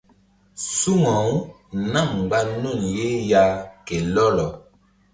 Suŋaw nam mgba nun ye ya ke lɔlɔ.